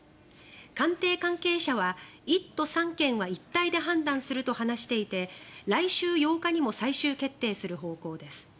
官邸関係者は１都３県は一体で判断すると話していて来週８日にも最終決定する方向です。